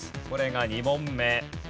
これが２問目。